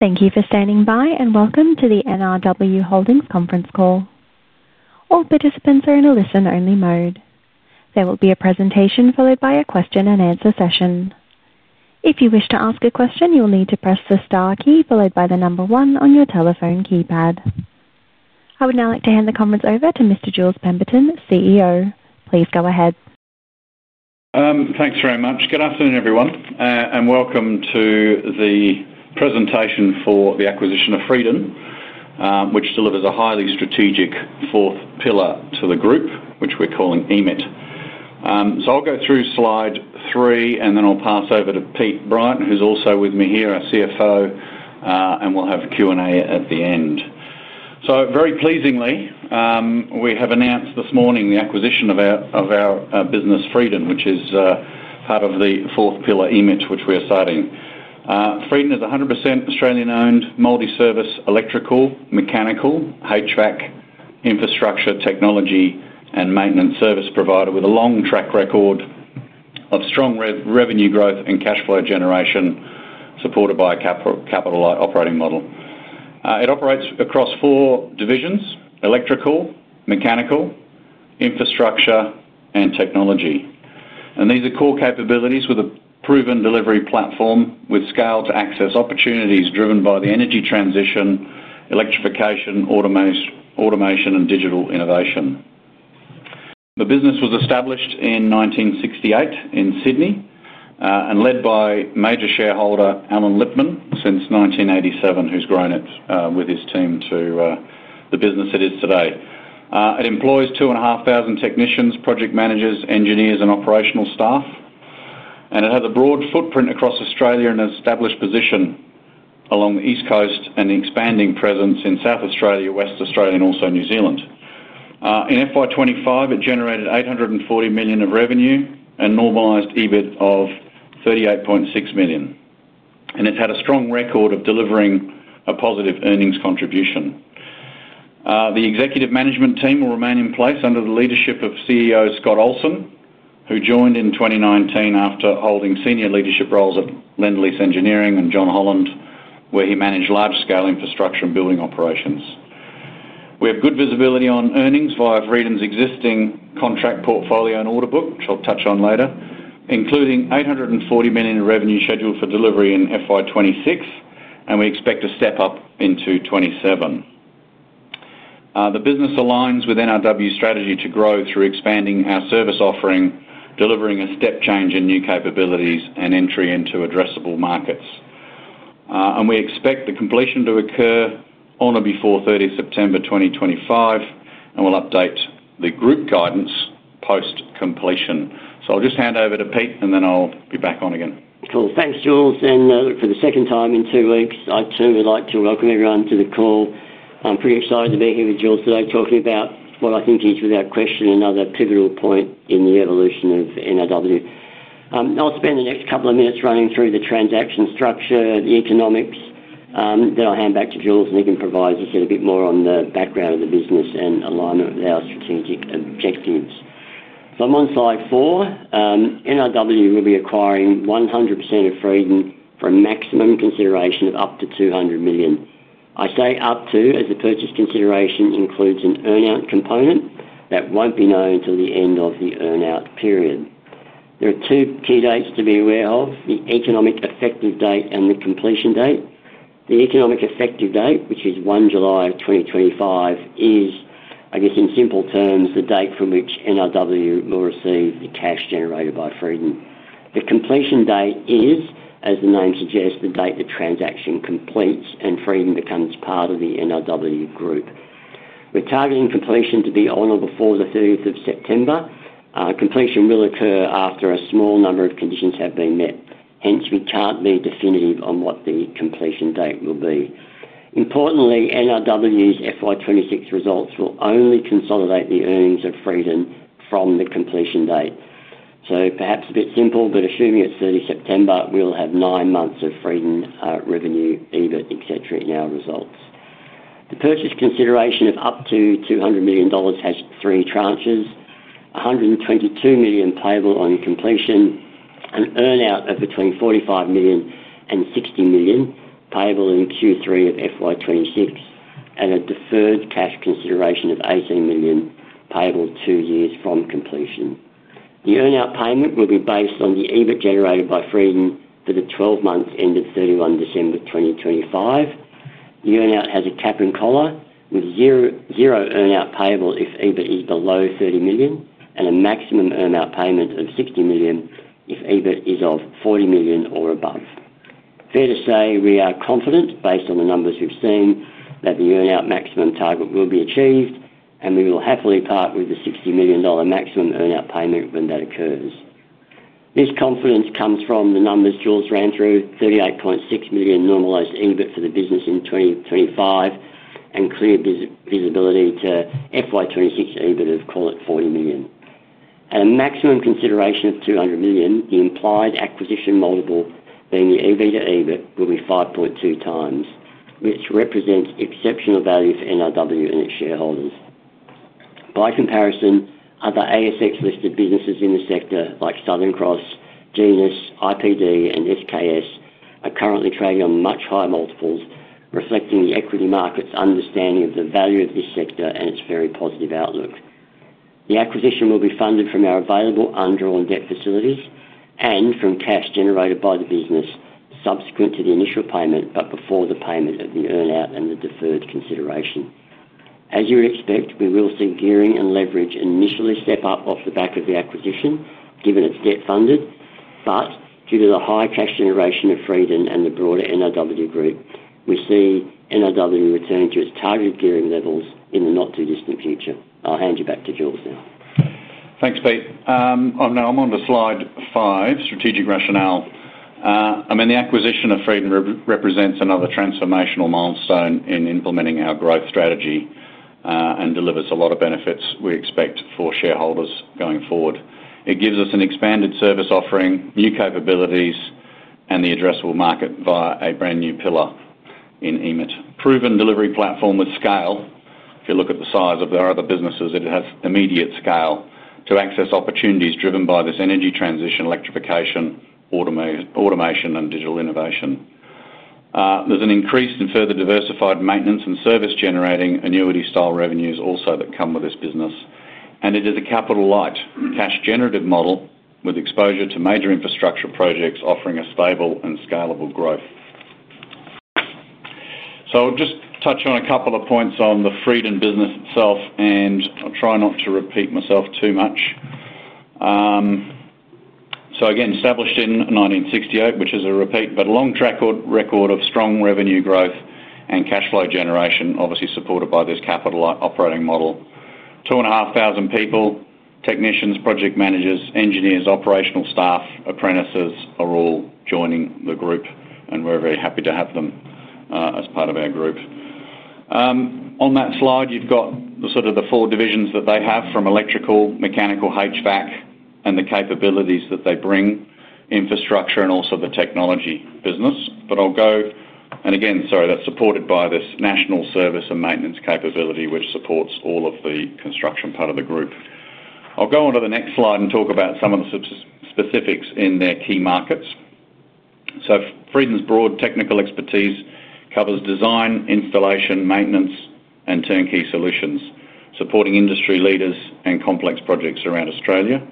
Thank you for standing by and welcome to the NRW Holdings conference call. All participants are in a listen-only mode. There will be a presentation followed by a question and answer session. If you wish to ask a question, you will need to press the star key followed by the number one on your telephone keypad. I would now like to hand the conference over to Mr. Jules Pemberton, CEO. Please go ahead. Thanks very much. Good afternoon, everyone, and welcome to the presentation for the acquisition of Freedom, which delivers a highly strategic fourth pillar to the group, which we're calling EMIT. I'll go through slide three, and then I'll pass over to Pete Brighton, who's also with me here, our CFO, and we'll have a Q&A at the end. Very pleasingly, we have announced this morning the acquisition of our business, Freedom, which is part of the fourth pillar EMIT, which we are citing. Freedom is a 100% Australian-owned multi-service electrical, mechanical, HVAC, infrastructure, technology, and maintenance service provider with a long track record of strong revenue growth and cash flow generation supported by a capital operating model. It operates across four divisions: electrical, mechanical, infrastructure, and technology. These are core capabilities with a proven delivery platform with scaled access opportunities driven by the energy transition, electrification, automation, and digital innovation. The business was established in 1968 in Sydney and led by major shareholder Alan Lippman since 1987, who's grown it with his team to the business it is today. It employs 2,500 technicians, project managers, engineers, and operational staff. It has a broad footprint across Australia and an established position along the East Coast and expanding presence in South Australia, Western Australia, and also New Zealand. In FY2025, it generated $840 million of revenue and normalized EBIT of $38.6 million. It's had a strong record of delivering a positive earnings contribution. The executive management team will remain in place under the leadership of CEO Scott Olson, who joined in 2019 after holding senior leadership roles at Lendlease Engineering and John Holland, where he managed large-scale infrastructure and building operations. We have good visibility on earnings via Freedom's existing contract portfolio and order book, which I'll touch on later, including $840 million in revenue scheduled for delivery in FY2026, and we expect a step up into 2027. The business aligns with NRW's strategy to grow through expanding our service offering, delivering a step change in new capabilities and entry into addressable markets. We expect the completion to occur on or before September 30, 2025, and we'll update the group guidance post-completion. I'll just hand over to Pete, and then I'll be back on again. Cool. Thanks, Jules. For the second time in two weeks, I'd certainly like to welcome everyone to the call. I'm pretty excited to be here with Jules today talking about what I think is without question another pivotal point in the evolution of NRW. I'll spend the next couple of minutes running through the transaction structure, the economics, then I'll hand back to Jules, and he can provide, as you said, a bit more on the background of the business and alignment with our strategic objectives. I'm on slide four. NRW will be acquiring 100% of Freedom for a maximum consideration of up to $200 million. I say up to as the purchase consideration includes an earnout component that won't be known until the end of the earnout period. There are two key dates to be aware of: the economic effective date and the completion date. The economic effective date, which is 1 July 2025, is, I guess, in simple terms, the date from which NRW will receive the cash generated by Freedom. The completion date is, as the name suggests, the date the transaction completes and Freedom becomes part of the NRW group. We're targeting completion to be on or before the 30th of September. Completion will occur after a small number of conditions have been met. Hence, we can't be definitive on what the completion date will be. Importantly, NRW's FY26 results will only consolidate the earnings of Freedom from the completion date. Perhaps a bit simple, but assuming it's 30 September, we'll have nine months of Freedom revenue, EBIT, etc., in our results. The purchase consideration of up to $200 million has three tranches: $122 million payable on completion, an earnout of between $45 million and $60 million payable in Q3 of FY26, and a deferred cash consideration of $18 million payable two years from completion. The earnout payment will be based on the EBIT generated by Freedom for the 12 months ended 31 December 2025. The earnout has a cap and collar with zero earnout payable if EBIT is below $30 million and a maximum earnout payment of $60 million if EBIT is $40 million or above. Fair to say, we are confident, based on the numbers we've seen, that the earnout maximum target will be achieved, and we will happily part with the $60 million maximum earnout payment when that occurs. This confidence comes from the numbers Jules ran through: $38.6 million normalized EBIT for the business in 2025 and clear visibility to FY26 EBIT of, call it, $40 million. A maximum consideration of $200 million, the implied acquisition multiple being the EBIT to EBIT, will be 5.2 times, which represents exceptional value for NRW and its shareholders. By comparison, other ASX-listed businesses in the sector, like Southern Cross, Genius, IPD, and SKS, are currently trading on much higher multiples, reflecting the equity market's understanding of the value of this sector and its very positive outlook. The acquisition will be funded from our available undrawn debt facilities and from cash generated by the business subsequent to the initial payment, but before the payment of the earnout and the deferred consideration. As you would expect, we will see gearing and leverage initially step up off the back of the acquisition, given it's debt funded, but due to the high cash generation of Freedom and the broader NRW group, we see NRW returning to its targeted gearing levels in the not-too-distant future. I'll hand you back to Jules now. Thanks, Pete. Now I'm on to slide five, strategic rationale. I mean, the acquisition of Freedom represents another transformational milestone in implementing our growth strategy and delivers a lot of benefits we expect for shareholders going forward. It gives us an expanded service offering, new capabilities, and the addressable market via a brand new pillar in EMIT. Proven delivery platform with scale. If you look at the size of the other businesses, it has immediate scale to access opportunities driven by this energy transition, electrification, automation, and digital innovation. There's an increase in further diversified maintenance and service-generating annuity-style revenues also that come with this business. It is a capital light, cash-generative model with exposure to major infrastructure projects offering a stable and scalable growth. I'll just touch on a couple of points on the Freedom business itself, and I'll try not to repeat myself too much. Again, established in 1968, which is a repeat, but a long track record of strong revenue growth and cash flow generation, obviously supported by this capital light operating model. Two and a half thousand people, technicians, project managers, engineers, operational staff, apprentices are all joining the group, and we're very happy to have them as part of our group. On that slide, you've got the sort of the four divisions that they have from electrical, mechanical, HVAC, and the capabilities that they bring, infrastructure, and also the technology business. Again, that's supported by this national service and maintenance capability, which supports all of the construction part of the group. I'll go on to the next slide and talk about some of the specifics in their key markets. Freedom's broad technical expertise covers design, installation, maintenance, and turnkey solutions, supporting industry leaders and complex projects around Australia.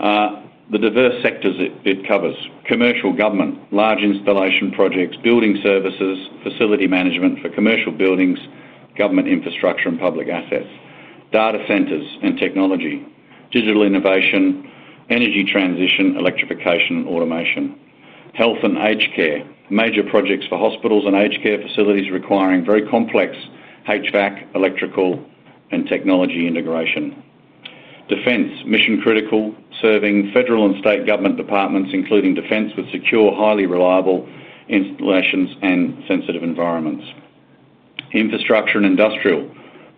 The diverse sectors it covers: commercial government, large installation projects, building services, facility management for commercial buildings, government infrastructure and public assets, data centers and technology, digital innovation, energy transition, electrification, and automation, health and aged care, major projects for hospitals and aged care facilities requiring very complex HVAC, electrical, and technology integration, defense, mission-critical, serving federal and state government departments, including defense with secure, highly reliable installations and sensitive environments, infrastructure and industrial,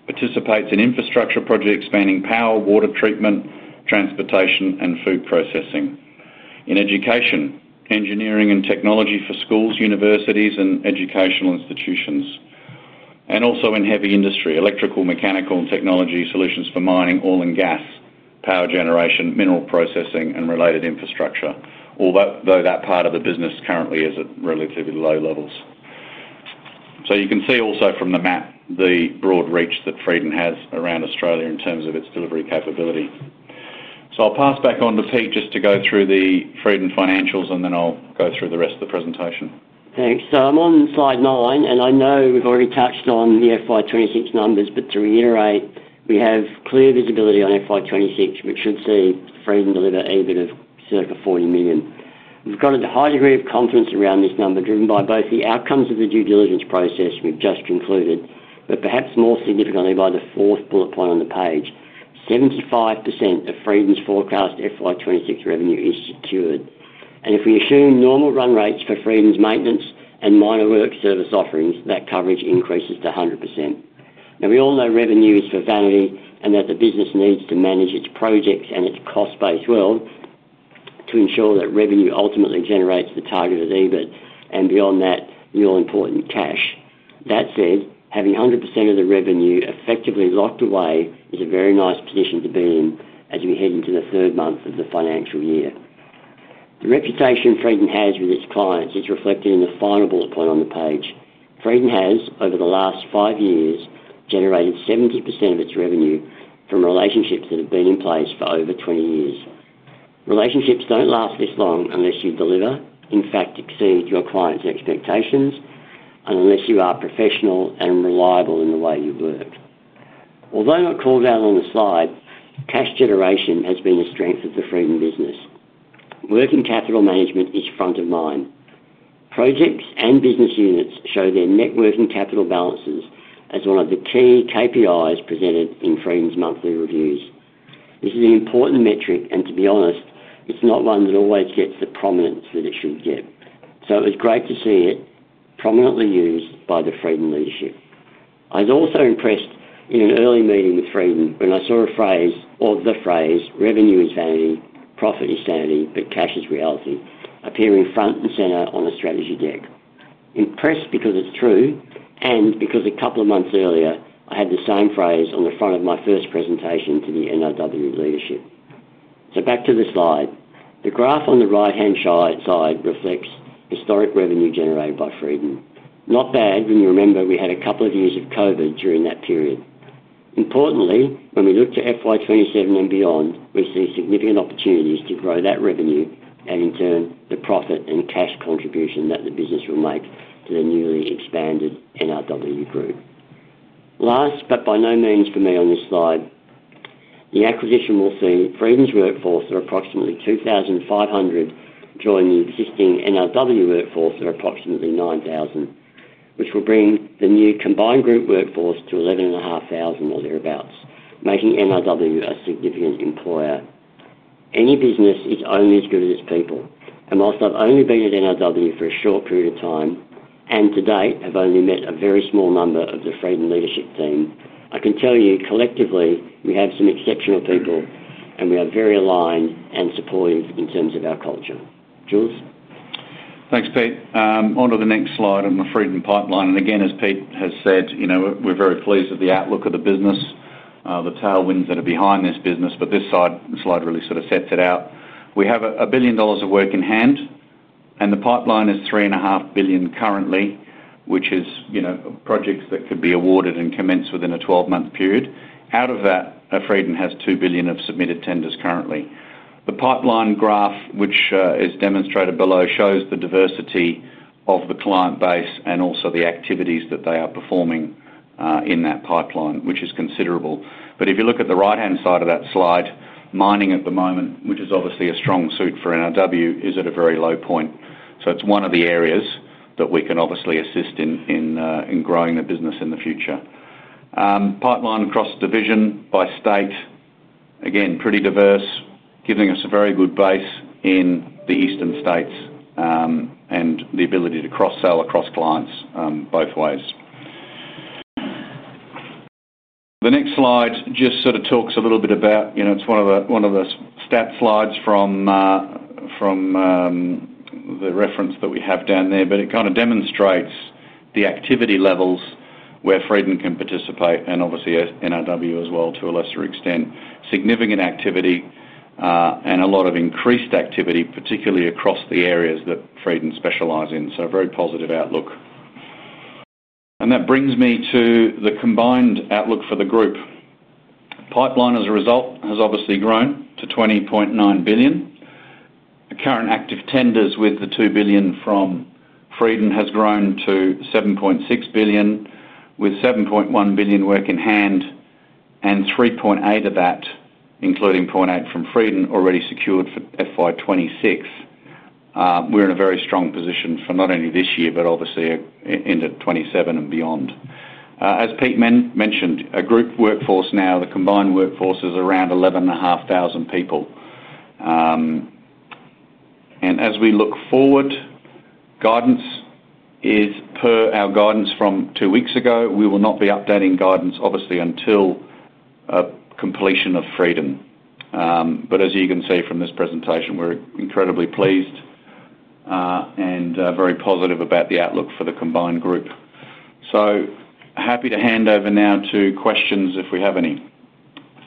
participates in infrastructure projects spanning power, water treatment, transportation, and food processing, in education, engineering and technology for schools, universities, and educational institutions, and also in heavy industry, electrical, mechanical, and technology solutions for mining, oil and gas, power generation, mineral processing, and related infrastructure, although that part of the business currently is at relatively low levels. You can see also from the map the broad reach that Freedom has around Australia in terms of its delivery capability. I'll pass back on to Pete just to go through the Freedom financials, and then I'll go through the rest of the presentation. Thanks. I'm on slide nine, and I know we've already touched on the FY26 numbers, but to reiterate, we have clear visibility on FY26, which should see Freedom deliver EBIT of circa $40 million. We've got a high degree of confidence around this number driven by both the outcomes of the due diligence process we've just concluded, but perhaps more significantly by the fourth bullet point on the page. 75% of Freedom's forecast FY26 revenue is secured. If we assume normal run rates for Freedom's maintenance and minor work service offerings, that coverage increases to 100%. We all know revenue is for vanity and that the business needs to manage its projects and its cost-based world to ensure that revenue ultimately generates the targeted EBIT and beyond that, the all-important cash. That said, having 100% of the revenue effectively locked away is a very nice position to be in as we head into the third month of the financial year. The reputation Freedom has with its clients is reflected in the final bullet point on the page. Freedom has, over the last five years, generated 70% of its revenue from relationships that have been in place for over 20 years. Relationships don't last this long unless you deliver, in fact, exceed your client's expectations, and unless you are professional and reliable in the way you work. Although not called out on the slide, cash generation has been a strength of the Freedom business. Work and capital management is front of mind. Projects and business units show their net working capital balances as one of the key KPIs presented in Freedom's monthly reviews. This is an important metric, and to be honest, it's not one that always gets the prominence that it should get. It was great to see it prominently used by the Freedom leadership. I was also impressed in an early meeting with Freedom when I saw a phrase or the phrase, "Revenue is vanity, profit is sanity, but cash is reality," appearing front and center on a strategy deck. Impressed because it's true and because a couple of months earlier, I had the same phrase on the front of my first presentation to the NRW leadership. Back to the slide. The graph on the right-hand side reflects historic revenue generated by Freedom. Not bad when you remember we had a couple of years of COVID during that period. Importantly, when we look to FY27 and beyond, we see significant opportunities to grow that revenue and, in turn, the profit and cash contribution that the business will make to the newly expanded NRW group. Last, but by no means least for me on this slide, the acquisition will see Freedom's workforce of approximately 2,500 join the existing NRW workforce of approximately 9,000, which will bring the new combined group workforce to 11.5 thousand or thereabouts, making NRW a significant employer. Any business is only as good as its people. Whilst I've only been at NRW for a short period of time and to date have only met a very small number of the Freedom leadership team, I can tell you collectively we have some exceptional people and we are very aligned and supportive in terms of our culture. Jules. Thanks, Pete. Onto the next slide on the Freedom pipeline. As Pete has said, we're very pleased with the outlook of the business, the tailwinds that are behind this business, but this slide really sort of sets it out. We have $1 billion of work in hand and the pipeline is $3.5 billion currently, which is projects that could be awarded and commence within a 12-month period. Out of that, Freedom has $2 billion of submitted tenders currently. The pipeline graph, which is demonstrated below, shows the diversity of the client base and also the activities that they are performing in that pipeline, which is considerable. If you look at the right-hand side of that slide, mining at the moment, which is obviously a strong suit for NRW Holdings, is at a very low point. It is one of the areas that we can obviously assist in growing the business in the future. Pipeline across division by state, again, pretty diverse, giving us a very good base in the eastern states and the ability to cross-sell across clients both ways. The next slide just sort of talks a little bit about, it's one of the stat slides from the reference that we have down there, but it kind of demonstrates the activity levels where Freedom can participate and obviously NRW Holdings as well to a lesser extent. Significant activity and a lot of increased activity, particularly across the areas that Freedom specializes in. A very positive outlook. That brings me to the combined outlook for the group. Pipeline as a result has grown to $20.9 billion. The current active tenders with the $2 billion from Freedom has grown to $7.6 billion with $7.1 billion work in hand and $3.8 billion of that, including $0.8 billion from Freedom, already secured for FY2026. We're in a very strong position for not only this year, but obviously into 2027 and beyond. As Pete mentioned, a group workforce now, the combined workforce is around 11,500 people. As we look forward, guidance is per our guidance from two weeks ago. We will not be updating guidance until completion of Freedom. As you can see from this presentation, we're incredibly pleased and very positive about the outlook for the combined group. Happy to hand over now to questions if we have any.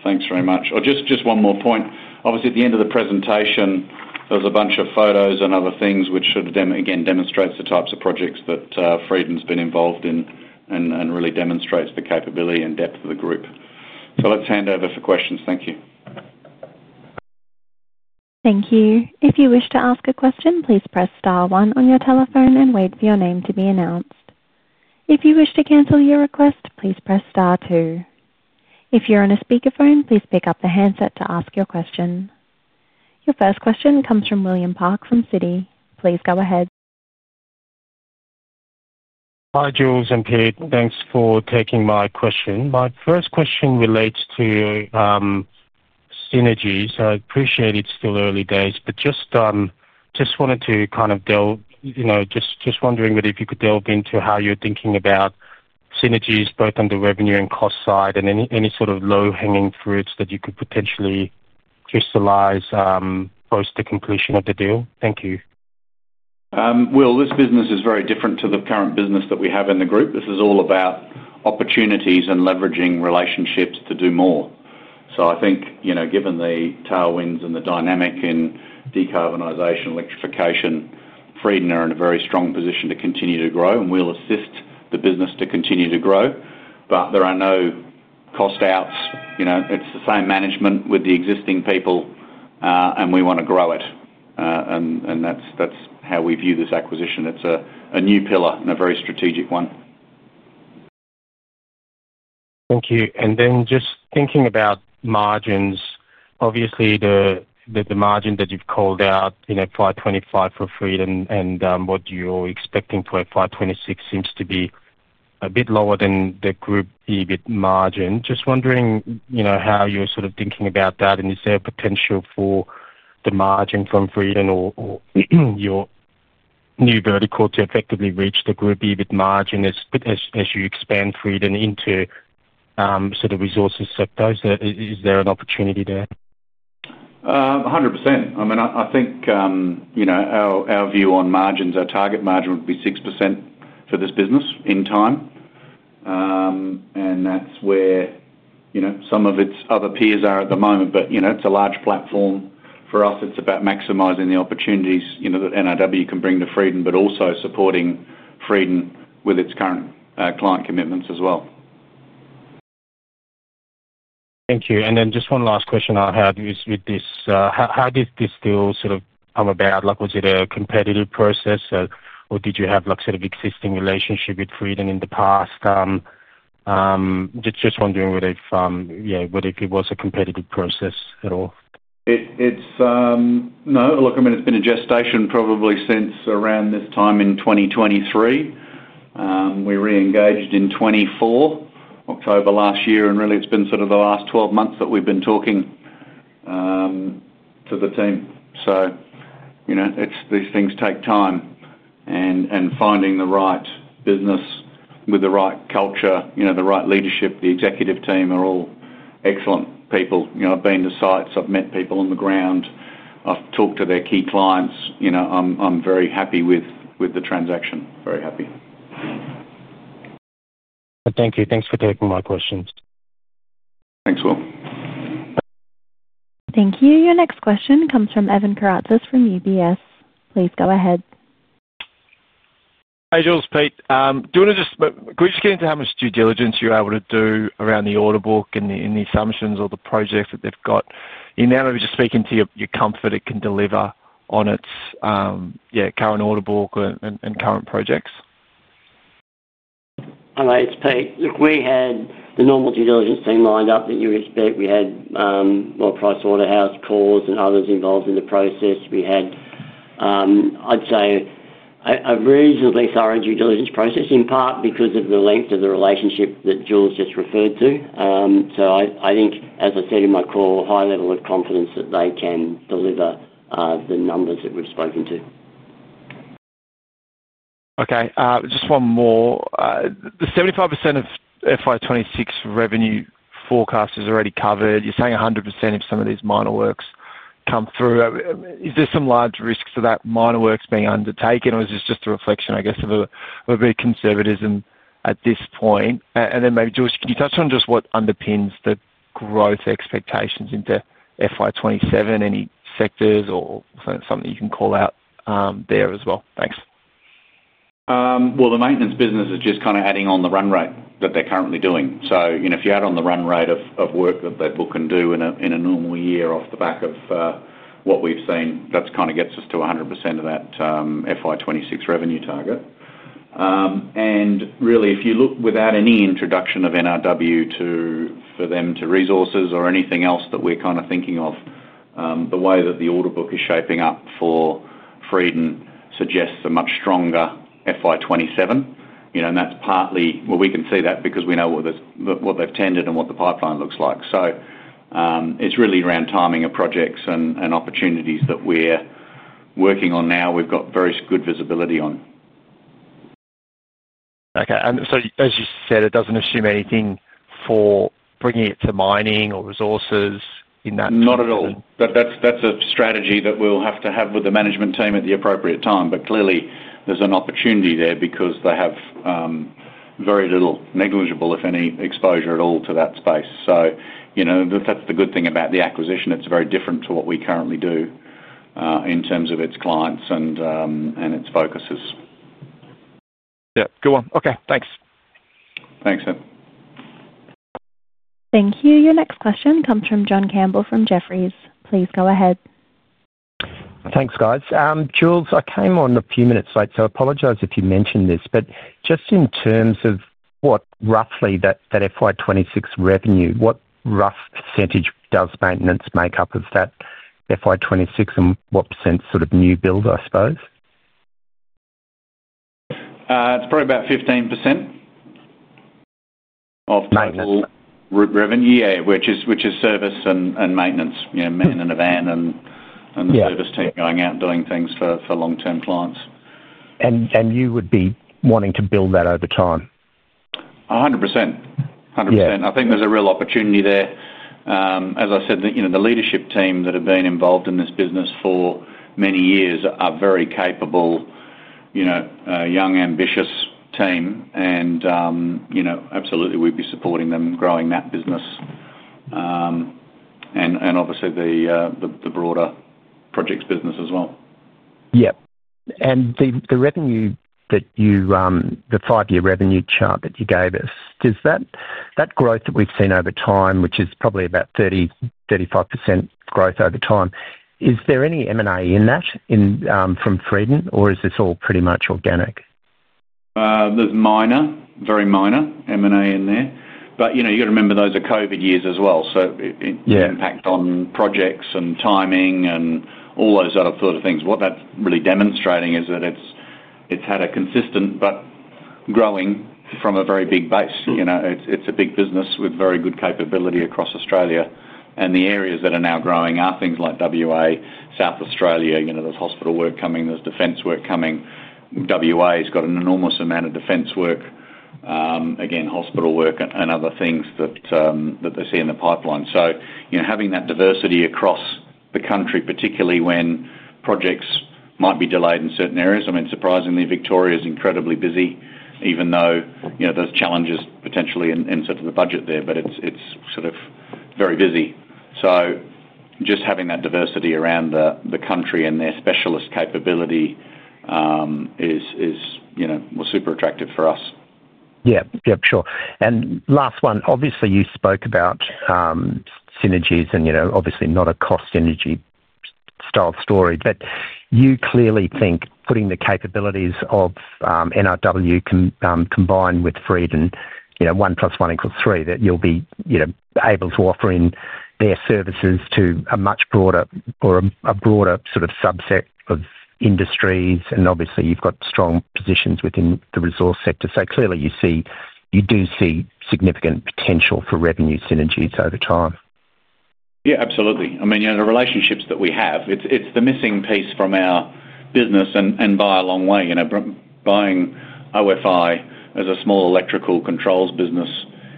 Thanks very much. Just one more point. At the end of the presentation, there's a bunch of photos and other things which should again demonstrate the types of projects that Freedom's been involved in and really demonstrates the capability and depth of the group. Let's hand over for questions. Thank you. Thank you. If you wish to ask a question, please press star one on your telephone and wait for your name to be announced. If you wish to cancel your request, please press star two. If you're on a speakerphone, please pick up the handset to ask your question. Your first question comes from William Park from Citi. Please go ahead. Hi, Jules and Pete. Thanks for taking my question. My first question relates to synergies. I appreciate it's still early days, but just wanted to kind of delve, you know, just wondering whether if you could delve into how you're thinking about synergies both on the revenue and cost side and any sort of low-hanging fruits that you could potentially crystallize post the completion of the deal. Thank you. This business is very different to the current business that we have in the group. This is all about opportunities and leveraging relationships to do more. I think, given the tailwinds and the dynamic in decarbonization, electrification, Freedom are in a very strong position to continue to grow and will assist the business to continue to grow. There are no cost outs. It's the same management with the existing people, and we want to grow it. That's how we view this acquisition. It's a new pillar and a very strategic one. Thank you. Just thinking about margins, obviously the margin that you've called out in FY2025 for Freedom and what you're expecting for FY2026 seems to be a bit lower than the group EBIT margin. Just wondering how you're sort of thinking about that and is there a potential for the margin from Freedom or your new vertical to effectively reach the group EBIT margin as you expand Freedom into resources sectors. Is there an opportunity there? 100%. I mean, I think, you know, our view on margins, our target margin would be 6% for this business in time. That's where, you know, some of its other peers are at the moment. It's a large platform. For us, it's about maximizing the opportunities, you know, that NRW can bring to Freedom, but also supporting Freedom with its current client commitments as well. Thank you. Just one last question on how it is with this. How did this deal sort of come about? Was it a competitive process or did you have sort of existing relationship with Freedom in the past? Just wondering whether it was a competitive process at all. No, look, I mean, it's been a gestation probably since around this time in 2023. We re-engaged in 2024, October last year, and really it's been sort of the last 12 months that we've been talking to the team. These things take time. Finding the right business with the right culture, the right leadership, the executive team are all excellent people. I've been to sites, I've met people on the ground, I've talked to their key clients. I'm very happy with the transaction, very happy. Thank you. Thanks for taking my questions. Thanks, Will. Thank you. Your next question comes from Evan Peratzas from UBS. Please go ahead. Hi, Jules, Pete. Could you just get into how much due diligence you're able to do around the order book and the assumptions or the projects that they've got? You're now just speaking to your comfort it can deliver on its current order book and current projects. Hi, Pete. Look, we had the normal due diligence team lined up that you expect. We had PricewaterhouseCoopers and others involved in the process. We had, I'd say, a reasonably thorough due diligence process in part because of the length of the relationship that Jules just referred to. I think, as I said in my call, a high level of confidence that they can deliver the numbers that we've spoken to. Okay. Just one more. The 75% of FY26 revenue forecast is already covered. You're saying 100% if some of these minor works come through. Is there some large risk to that minor works being undertaken, or is this just a reflection, I guess, of a bit of conservatism at this point? Maybe, Jules, can you touch on just what underpins the growth expectations into FY27? Any sectors or something you can call out there as well? Thanks. The maintenance business is just kind of adding on the run rate that they're currently doing. If you add on the run rate of work that they look and do in a normal year off the back of what we've seen, that kind of gets us to 100% of that FY2026 revenue target. If you look without any introduction of NRW to them, to resources, or anything else that we're kind of thinking of, the way that the order book is shaping up for Freedom suggests a much stronger FY2027. That's partly because we can see that, because we know what they've tendered and what the pipeline looks like. It's really around timing of projects and opportunities that we're working on now. We've got very good visibility on. Okay. As you said, it doesn't assume anything for bringing it to mining or resources in that. Not at all. That's a strategy that we'll have to have with the management team at the appropriate time. Clearly, there's an opportunity there because they have very little, negligible, if any, exposure at all to that space. That's the good thing about the acquisition. It's very different to what we currently do in terms of its clients and its focuses. Yeah, good one. Okay, thanks. Thanks, Seth. Thank you. Your next question comes from John Campbell from Jefferies. Please go ahead. Thanks, guys. Jules, I came on a few minutes late, so I apologize if you mentioned this, but just in terms of what roughly that FY26 revenue, what rough % does maintenance make up of that FY26 and what % sort of new build, I suppose? It's probably about 15% of total group revenue, yeah, which is service and maintenance, you know, maintenance of the van and the service team going out and doing things for long-term clients. You would be wanting to build that over time? 100%. 100%. I think there's a real opportunity there. As I said, the leadership team that have been involved in this business for many years are very capable, young, ambitious team. Absolutely, we'd be supporting them growing that business and obviously the broader projects business as well. Yeah, the revenue that you, the five-year revenue chart that you gave us, does that growth that we've seen over time, which is probably about 30-35% growth over time, is there any M&A in that from Freedom or is this all pretty much organic? There's minor, very minor M&A in there. You've got to remember those are COVID years as well. The impact on projects and timing and all those other sort of things, what that's really demonstrating is that it's had a consistent but growing from a very big base. It's a big business with very good capability across Australia. The areas that are now growing are things like WA, South Australia. There's hospital work coming, there's defense work coming. WA has got an enormous amount of defense work, again, hospital work and other things that they see in the pipeline. Having that diversity across the country, particularly when projects might be delayed in certain areas, is important. Surprisingly, Victoria is incredibly busy, even though there's challenges potentially in the budget there, but it's very busy. Just having that diversity around the country and their specialist capability is super attractive for us. Yeah, sure. Last one, obviously, you spoke about synergies and, you know, obviously not a cost synergy style story, but you clearly think putting the capabilities of NRW combined with Freedom, you know, one plus one equals three, that you'll be, you know, able to offer in their services to a much broader or a broader sort of subset of industries. Obviously, you've got strong positions within the resource sector. Clearly, you see, you do see significant potential for revenue synergies over time. Yeah, absolutely. I mean, you know, the relationships that we have, it's the missing piece from our business and by a long way, you know, buying OFI as a small electrical controls business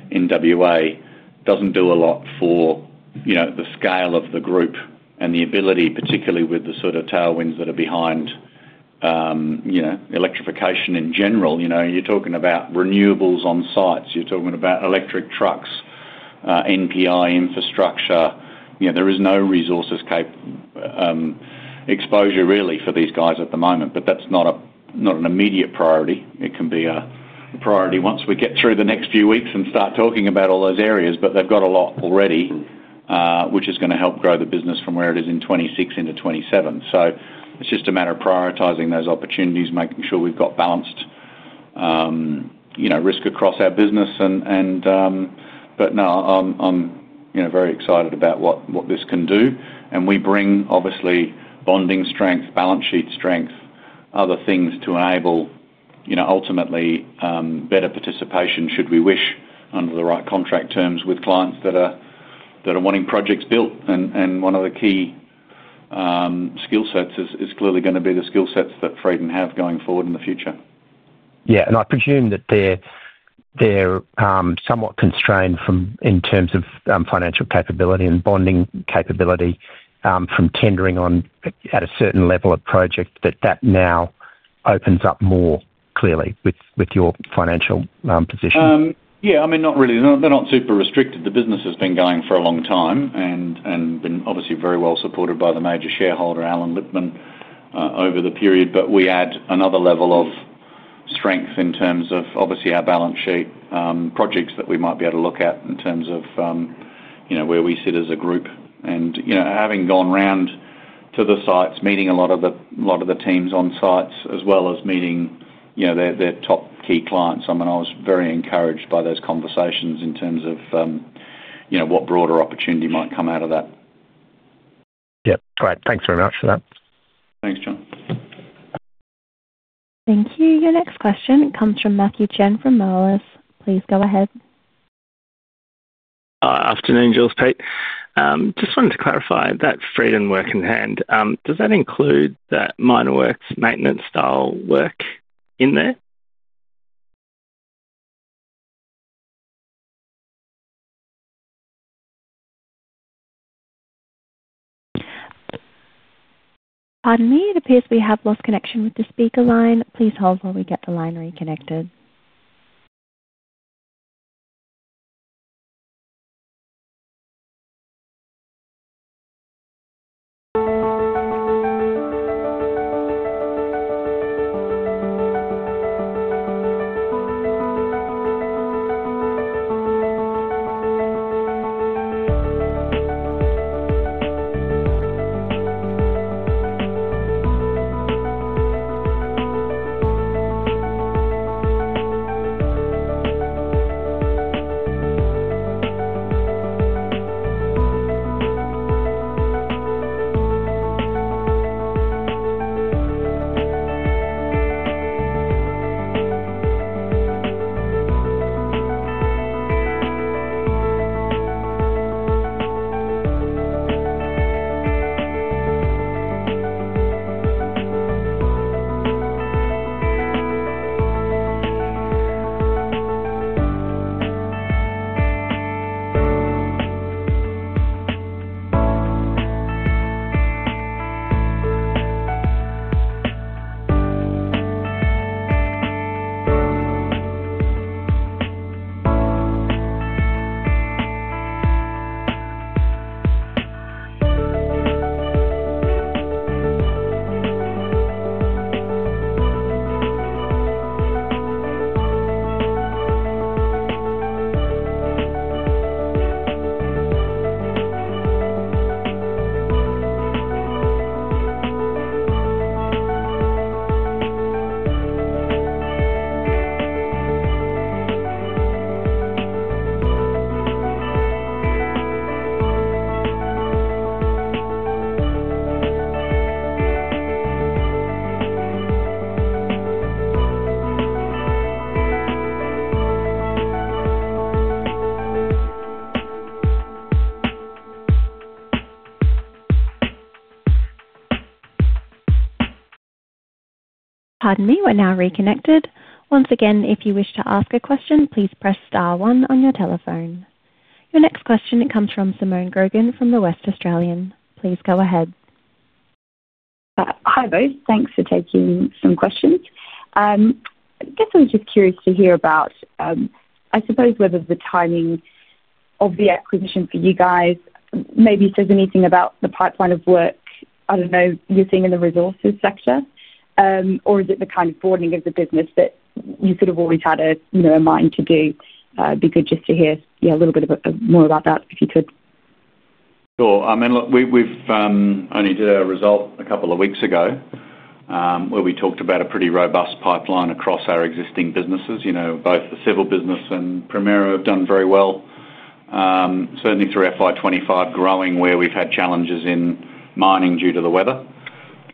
in WA doesn't do a lot for, you know, the scale of the group and the ability, particularly with the sort of tailwinds that are behind, you know, electrification in general. You're talking about renewables on sites. You're talking about electric trucks, NPI infrastructure. There is no resources exposure really for these guys at the moment, but that's not an immediate priority. It can be a priority once we get through the next few weeks and start talking about all those areas, but they've got a lot already, which is going to help grow the business from where it is in 2026 into 2027. It's just a matter of prioritizing those opportunities, making sure we've got balanced, you know, risk across our business. I'm very excited about what this can do. We bring obviously bonding strength, balance sheet strength, other things to enable, you know, ultimately better participation should we wish under the right contract terms with clients that are wanting projects built. One of the key skill sets is clearly going to be the skill sets that Freedom have going forward in the future. Yeah, I presume that they're somewhat constrained in terms of financial capability and bonding capability from tendering on at a certain level of project. That now opens up more clearly with your financial position. Yeah, I mean, not really. They're not super restricted. The business has been going for a long time and been obviously very well supported by the major shareholder, Alan Lippman, over the period. We add another level of strength in terms of our balance sheet projects that we might be able to look at in terms of, you know, where we sit as a group. Having gone around to the sites, meeting a lot of the teams on sites, as well as meeting their top key clients, I was very encouraged by those conversations in terms of what broader opportunity might come out of that. Yeah, great. Thanks very much for that. Thanks, John. Thank you. Your next question comes from Matthew Chen from Moelis. Please go ahead. Afternoon, Jules, Pete. Just wanted to clarify that Freedom work in hand. Does that include that minor works maintenance style work in there? Pardon me, it appears we have lost connection with the speaker line. Please hold while we get the line reconnected. Pardon me, we're now reconnected. Once again, if you wish to ask a question, please press star one on your telephone. Your next question comes from Simone Grogan from The West Australian. Please go ahead. Hi, both. Thanks for taking some questions. I guess I was just curious to hear about, I suppose, whether the timing of the acquisition for you guys maybe says anything about the pipeline of work you're seeing in the resources sector, or is it the kind of boarding of the business that you sort of always had a mind to do? It'd be good just to hear a little bit more about that if you could. Sure. I mean, we only did a result a couple of weeks ago where we talked about a pretty robust pipeline across our existing businesses. Both the civil business and Primera have done very well, certainly through FY2025 growing where we've had challenges in mining due to the weather.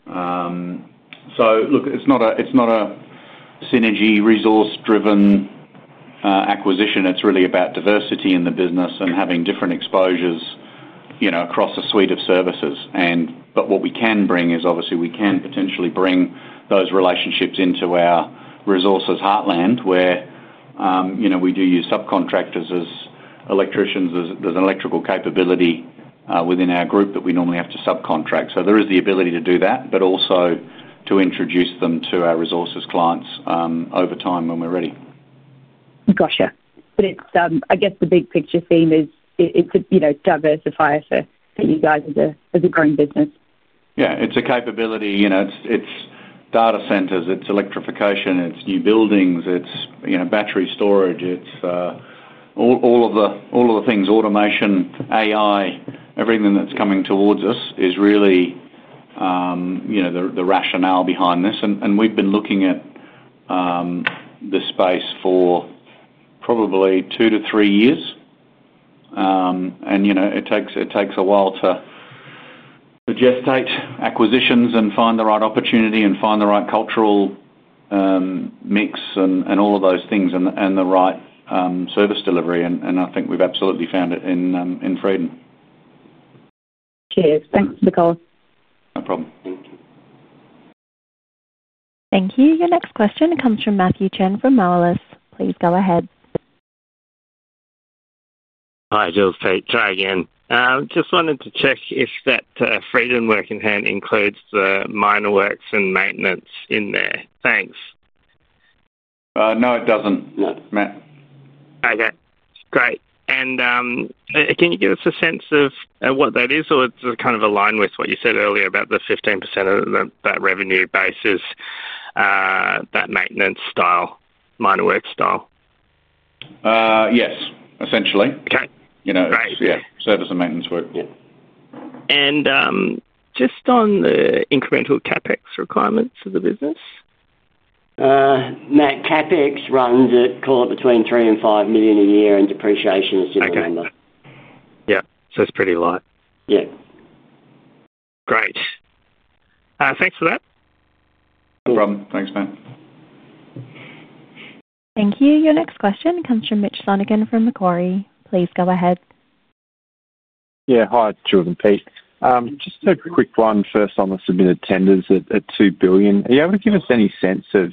It is not a synergy resource-driven acquisition. It is really about diversity in the business and having different exposures across a suite of services. What we can bring is obviously we can potentially bring those relationships into our resources heartland where we do use subcontractors as electricians. There is an electrical capability within our group that we normally have to subcontract. There is the ability to do that, but also to introduce them to our resources clients over time when we're ready. I got you. I guess the big picture theme is it could, you know, diversify us as a growing business. Yeah, it's a capability. It's data centers, it's electrification, it's new buildings, it's battery storage, it's all of the things, automation, AI, everything that's coming towards us is really the rationale behind this. We've been looking at this space for probably two to three years. It takes a while to gestate acquisitions and find the right opportunity and find the right cultural mix and all of those things and the right service delivery. I think we've absolutely found it in Freedom. Cheers. Thanks, Nicole. No problem. Thank you. Your next question comes from Matthew Chen from Malas. Please go ahead. Hi, Jules, Pete. Just wanted to check if that Freedom work in hand includes the minor works and maintenance in there. Thanks. No, it doesn't, Matt. Okay, great. Can you give us a sense of what that is, or does it kind of align with what you said earlier about the 15% of that revenue basis, that maintenance style, minor work style? Yes, essentially. Okay. Yeah, service and maintenance work. Yeah, just on the incremental CapEx requirements of the business? Matt, CapEx runs at, call it, between $3 million and $5 million a year, and depreciation is a similar number. Okay, yeah, so it's pretty light. Yeah. Great, thanks for that. No problem. Thanks, man. Thank you. Your next question comes from Mitch Sonigan from Macquarie. Please go ahead. Yeah, hi, Jules and Pete. Just a quick one first on the submitted tenders at $2 billion. Are you able to give us any sense of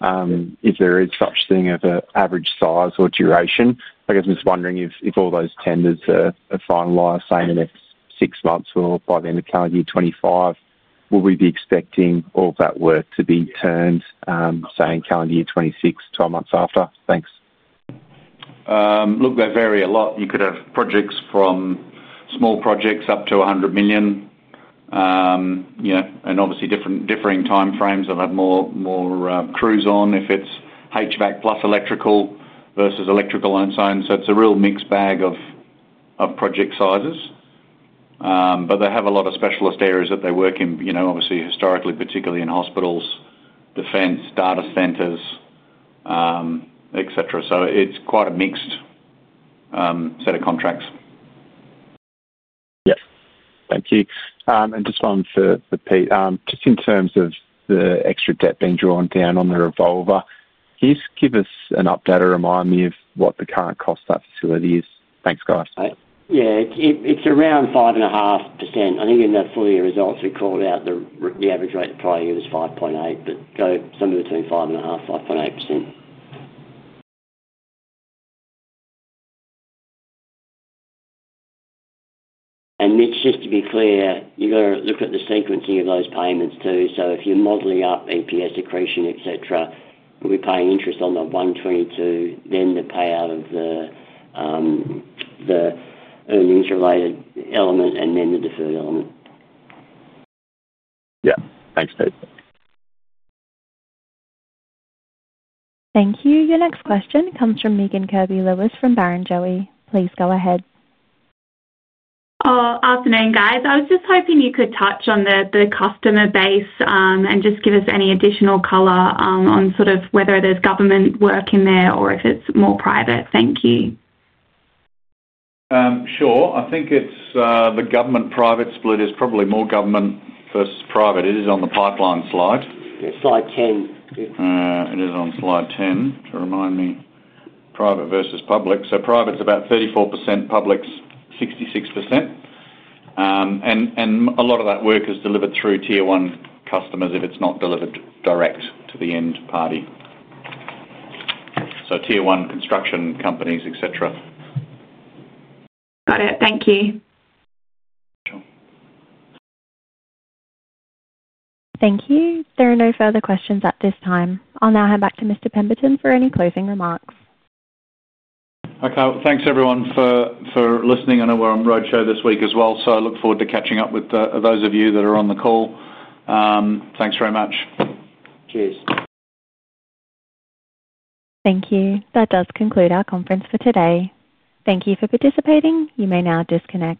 if there is such a thing of an average size or duration? I guess I'm just wondering if all those tenders are finalized, say, in the next six months or by the end of calendar year 2025, will we be expecting all of that work to be turned, say, in calendar year 2026, 12 months after? Thanks. Look, they vary a lot. You could have projects from small projects up to $100 million, and obviously different differing timeframes. They'll have more crews on if it's HVAC plus electrical versus electrical on its own. It's a real mixed bag of project sizes. They have a lot of specialist areas that they work in, you know, obviously historically, particularly in hospitals, defense, data centers, etc. It's quite a mixed set of contracts. Thank you. Just one for Pete, just in terms of the extra debt being drawn down on the revolver, can you give us an update or remind me of what the current cost of that facility is? Thanks, guys. Yeah, it's around 5.5%. I think in that four-year results, we called out the average rate of play was 5.8%, but go somewhere between 5.5%, 5.8%. Mitch, just to be clear, you've got to look at the sequencing of those payments too. If you're modeling up EPS, depreciation, etc., we'll be paying interest on the $122 million, then the payout of the earnings-related element, and then the deferred element. Yeah, thanks, Pete. Thank you. Your next question comes from Megan Kirby-Lewis from Barrenjoey. Please go ahead. Afternoon, guys. I was just hoping you could touch on the customer base and just give us any additional color on sort of whether there's government work in there or if it's more private. Thank you. Sure. I think it's the government-private split. It's probably more government versus private. It is on the pipeline slide. It's slide 10. It is on slide 10. To remind me, private versus public. Private's about 34%, public's 66%. A lot of that work is delivered through tier one customers if it's not delivered direct to the end party. Tier one construction companies, etc. Got it. Thank you. Thank you. There are no further questions at this time. I'll now hand back to Mr. Pemberton for any closing remarks. Thank you, everyone, for listening. I know we're on roadshow this week as well. I look forward to catching up with those of you that are on the call. Thanks very much. Cheers. Thank you. That does conclude our conference for today. Thank you for participating. You may now disconnect.